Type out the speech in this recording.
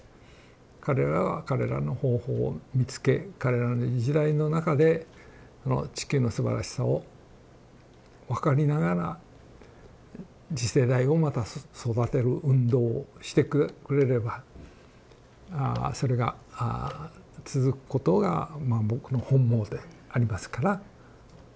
彼らは彼らの方法を見つけ彼らの時代の中であの地球のすばらしさを分かりながら次世代をまた育てる運動をしてくれればそれが続くことが僕の本望でありますから。